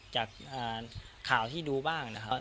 จากข่าวที่ดูบ้างนะครับ